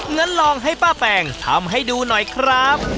งั้นลองให้ป้าแปงทำให้ดูหน่อยครับ